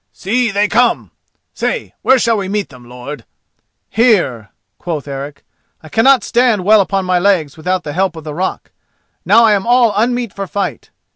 See, they come! Say, where shall we meet them, lord?" "Here," quoth Eric; "I cannot stand well upon my legs without the help of the rock. Now I am all unmeet for fight."